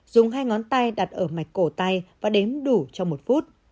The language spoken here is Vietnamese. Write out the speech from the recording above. dùng hai ngón tay đặt ở mạch cổ tay và đếm đủ cho một phút